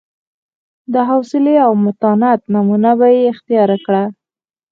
د حوصلې او متانت نمونه به یې اختیار کړه.